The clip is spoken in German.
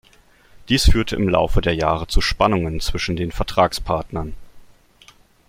Dies führte im Laufe der Jahre zu Spannungen zwischen den Vertragspartnern.